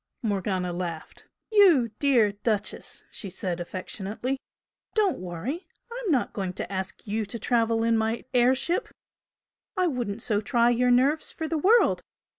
Morgana laughed. "You dear Duchess!" she said, affectionately "Don't worry! I'm not going to ask you to travel in my air ship I wouldn't so try your nerves for the world!